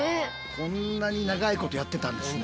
こんなに長いことやってたんですね。